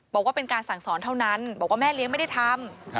บอกว่าเป็นการสั่งสอนเท่านั้นบอกว่าแม่เลี้ยงไม่ได้ทำ